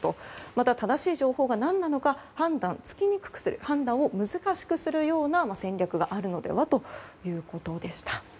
また、正しい情報が何なのか判断を難しくするような戦略があるのではということでした。